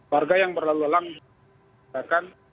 warga yang berlalu langsung juga berlangsung